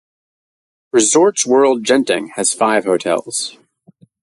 Resorts World Genting has five hotels.